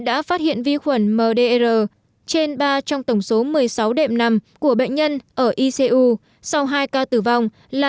đã phát hiện vi khuẩn mdr trên ba trong tổng số một mươi sáu đệm nằm của bệnh nhân ở icu sau hai ca tử vong là